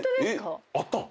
あったん？